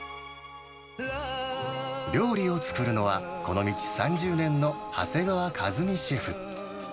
料理を作るのは、この道３０年の長谷川一美シェフ。